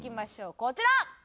こちら！